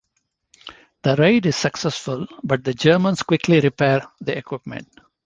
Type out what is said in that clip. The raid is successful, but the Germans quickly repair the equipment.